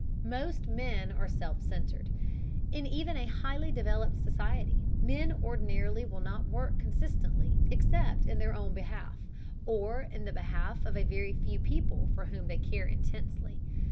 Most men are self centered. In even a highly developed society, men ordinarily will not work consistently except in their own behalf, or in the behalf of a very few people for whom they care intensely.